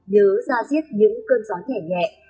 nhớ ra giết những cơn gió nhẹ nhẹ